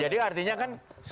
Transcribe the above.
jadi artinya kan